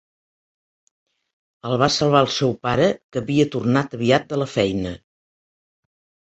El va salvar el seu pare, que havia tornat aviat de la feina.